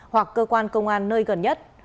hoặc cơ quan công an nơi gần nhất